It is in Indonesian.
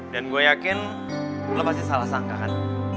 dan gue yakin lo pasti salah sangka kan